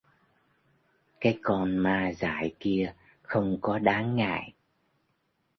cái con ma dại kia không có đáng ngại